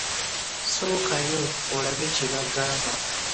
Sookayo olabe kye bagamba.